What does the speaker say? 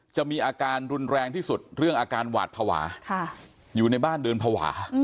จะมีอาการรุนแรงที่สุดเรื่องอาการหวาดภาวะอยู่ในบ้านเดินภาวะ